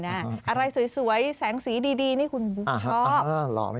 อะไรสวยแสงสีดีนี่คุณบุ๊คชอบ